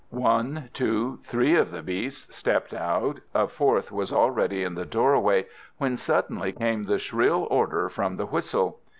One, two, three of the beasts stepped out; a fourth was already in the doorway, when suddenly came the shrill order from the whistle.